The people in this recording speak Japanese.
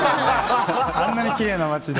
あんなにきれいな街で。